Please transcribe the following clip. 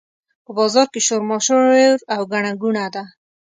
په بازار کې شورماشور او ګڼه ګوڼه ده.